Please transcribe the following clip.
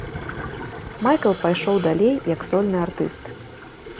Майкл пайшоў далей як сольны артыст.